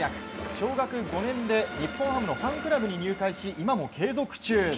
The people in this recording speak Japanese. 小学５年で日本ハムのファンクラブに入会し今も継続中。